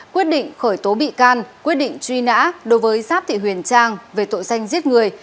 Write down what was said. quyết định khởi tố bị can quyết định truy nã đối với giáp thị huyền trang về tội danh giết người